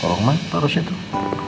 orang orang harusnya tuh